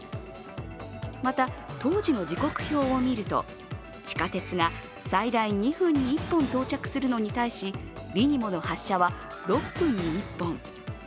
また、当時の時刻表を見ると、地下鉄が最大２分に１本到着するのに対しリニモの発車は６分に１本。